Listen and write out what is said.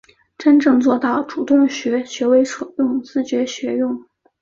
真正做到主动学、学为所用、自觉学用